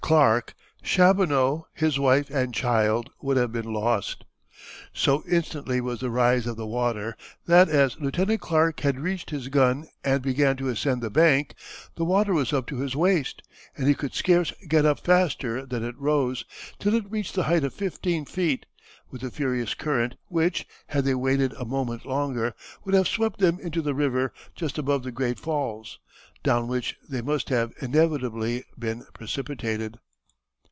Clark, Chaboneau, his wife and child would have been lost. So instantly was the rise of the water, that as Lieut. Clark had reached his gun and began to ascend the bank, the water was up to his waist, and he could scarce get up faster than it rose, till it reached the height of fifteen feet, with a furious current which, had they waited a moment longer, would have swept them into the river just above the Great Falls, down which they must have inevitably been precipitated."